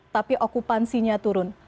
tapi okupansinya turun